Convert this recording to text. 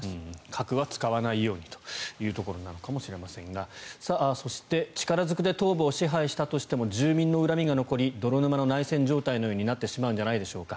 核は使わないようにということだと思いますがそして、力ずくで東部を支配したとしても住民の恨みが残り泥沼の内戦状態になってしまうのではないでしょうか。